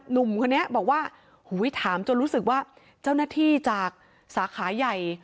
หนุ่มคนนี้บอกว่าถามจนรู้สึกว่าเจ้าหน้าที่จากสาขาใหญ่